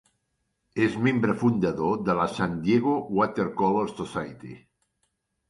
És membre fundador de la San Diego Watercolor Society.